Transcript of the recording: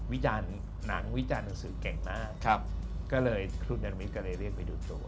วิจารณ์หนังวิจารณ์หนังสือเก่งมากก็เลยครูเนรมิตก็เลยเรียกไปดูตัว